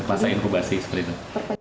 masa inkubasi seperti itu